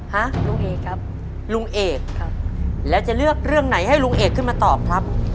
ฮะลุงเอกครับลุงเอกครับแล้วจะเลือกเรื่องไหนให้ลุงเอกขึ้นมาตอบครับ